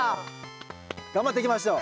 頑張っていきましょう。